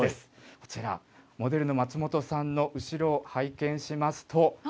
こちら、モデルの松本さんの後ろ、拝見しますと。